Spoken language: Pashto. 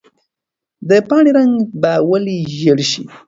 د پاڼې رنګ به ولې ژېړ شي؟